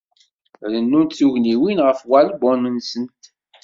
Rennunt tugniwin ɣer walbum-nsent.